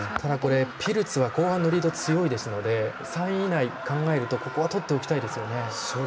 ピルツは後半のリード強いですので３位以内、考えると、ここはとっておきたいですよね。